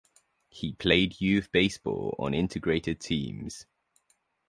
He played youth baseball on integrated teams.